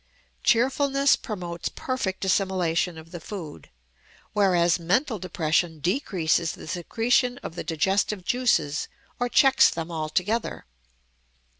Cheerfulness promotes perfect assimilation of the food, whereas mental depression decreases the secretion of the digestive juices or checks them altogether.